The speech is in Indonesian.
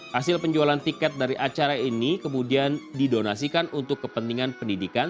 hasil penjualan tiket dari acara ini kemudian didonasikan untuk kepentingan pendidikan